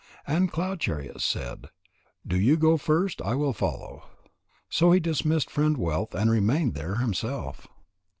And Cloud Chariot said: "Do you go first. I will follow." So he dismissed Friend wealth, and remained there himself.